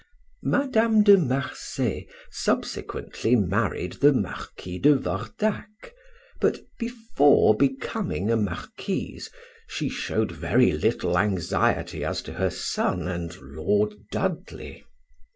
Madame de Marsay subsequently married the Marquis de Vordac, but before becoming a marquise she showed very little anxiety as to her son and Lord Dudley.